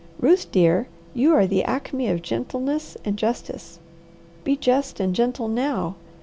Ruth, dear you are the acme of gentleness and justice. Be just and gentle now!